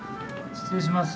失礼します。